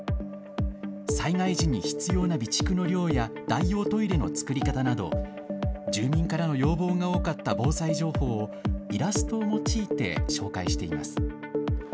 災害時に必要な備蓄の量や代用トイレの作り方など住民からの要望が多かった防災情報をイラストを用いて紹介しています。